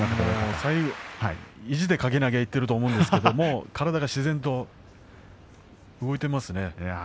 最後意地で掛け投げにいっていると思うんですけど体が自然と動いていますね。